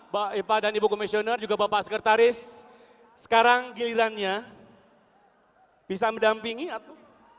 baik pada nipu komisioner juga bapak sekretaris sekarang gilirannya bisa mendampingi atau